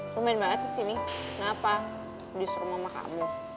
bumen banget sih ini kenapa disuruh mama kamu